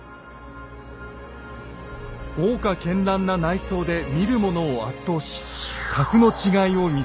豪華絢爛な内装で見る者を圧倒し格の違いを見せつける。